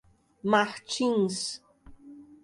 Martins